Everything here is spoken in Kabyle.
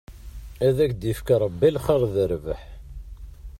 Ad ak-d-yefk Rebbi lxir d rrbeḥ.